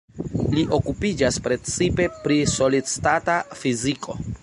Li okupiĝas precipe pri solid-stata fiziko.